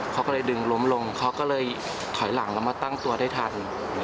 เขาก็เลยดึงล้มลงเขาก็เลยถอยหลังแล้วมาตั้งตัวได้ทัน